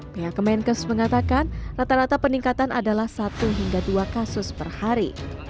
pihak kemenkes mengatakan rata rata peningkatan adalah satu hingga dua kasus per hari